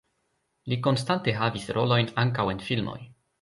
Li konstante havis rolojn ankaŭ en filmoj.